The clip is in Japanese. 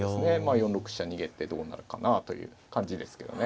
４六飛車逃げてどうなるかなあという感じですけどね。